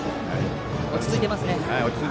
落ち着いていますね。